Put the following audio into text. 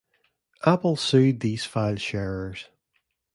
Apple sued these file sharers.